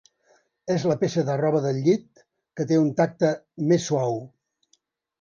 És la peça de roba del llit que té un tacte més suau.